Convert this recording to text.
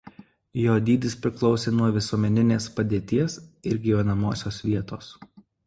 Jo dydis priklausė nuo visuomeninės padėties ir gyvenamosios vietos.